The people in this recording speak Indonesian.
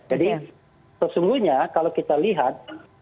jadi sesungguhnya kalau kita lihat